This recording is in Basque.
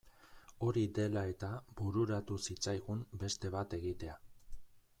Hori dela eta bururatu zitzaigun beste bat egitea.